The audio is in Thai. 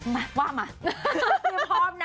มาว่ามา